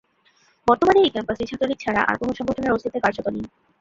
বর্তমানে এই ক্যাম্পাসে ছাত্রলীগ ছাড়া আর কোনো সংগঠনের অস্তিত্ব কার্যত নেই।